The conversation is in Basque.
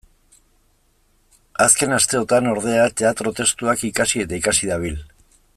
Azken asteotan, ordea, teatro-testuak ikasi eta ikasi dabil.